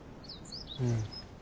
うん。